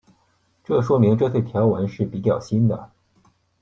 这说明这些条纹是比较新的。